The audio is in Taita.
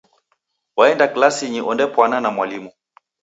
Waenda klasinyi ondepwana na mwalimu.